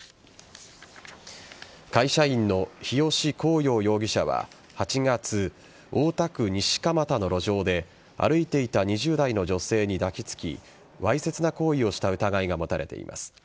会社員の日吉浩陽容疑者は８月、大田区西蒲田の路上で歩いていた２０代の女性に抱きつきわいせつな行為をした疑いが持たれています。